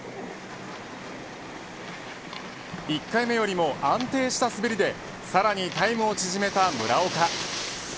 １回目よりも安定した滑りでさらにタイムを縮めた村岡。